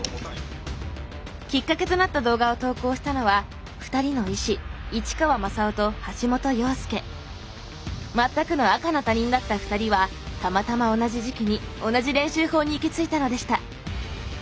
きっかけとなった動画を投稿したのは２人の医師全くの赤の他人だった２人はたまたま同じ時期に同じ練習法に行き着いたのでした。